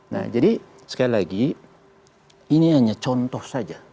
nah jadi sekali lagi ini hanya contoh saja